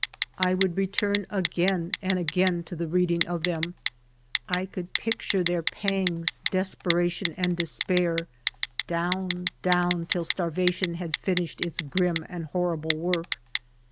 I would return again and again to the reading of them. I could picture their pangs, desperation, and despair, down, down, till starvation had finished its grim and horrible work..